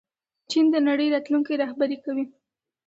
چین د نړۍ راتلونکی رهبري کوي.